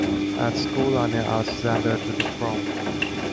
At school, Anya asks Xander to the Prom.